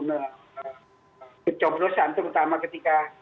kecoblosan terutama ketika